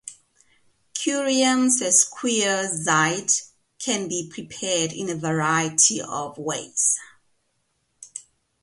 Curium sesquioxide can be prepared in a variety of ways.